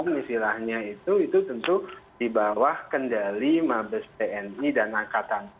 misalnya itu itu tentu di bawah kendali mabes tni dan angkatan